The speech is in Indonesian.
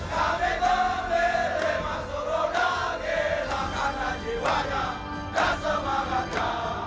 kami kembali lewat surga rakyat akan menjiwanya dan semangatnya